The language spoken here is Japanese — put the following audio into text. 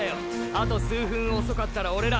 あと数分遅かったらオレら。